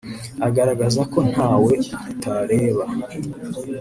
Agaragaza ko ntawe ritareba